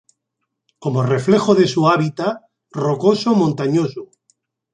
Como reflejo de su hábitat rocoso montañoso.